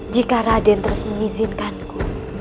jika raden terus mengizinkanku